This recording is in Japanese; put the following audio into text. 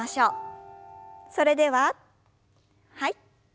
それでははい。